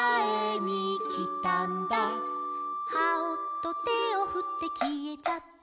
「『ハオ！』とてをふってきえちゃった」